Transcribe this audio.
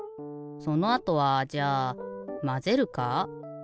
そのあとはじゃあまぜるか？